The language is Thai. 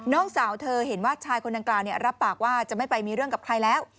น้องสาวเธอเห็นว่าชายคนดังกล่าวรับปากว่าจะไม่ไปมีเรื่องกับใครแล้ว